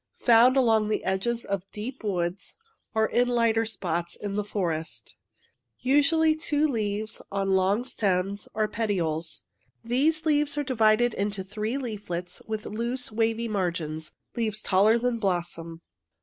Found along the edges of deep woods or in Lighter spots in the forest. Usually two leaves on long stems or petioles — these leaves are divided into three leaflets, with loose, wavy margins — leaves taller than blossom.